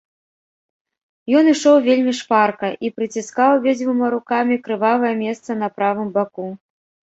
Ён ішоў вельмі шпарка і прыціскаў абедзвюма рукамі крывавае месца на правым баку.